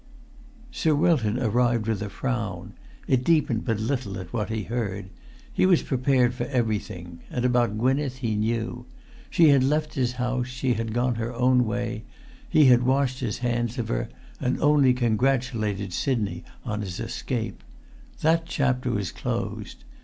Sir Wilton arrived with a frown. It deepened but little at what he heard. He was prepared for everything; and about Gwynneth he knew. She had left his house, she had gone her own way, he washed his hands of her, and only congratulated Sidney on his escape. That chapter was closed.